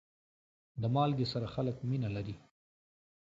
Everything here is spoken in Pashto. د مالګې سره خلک مینه لري.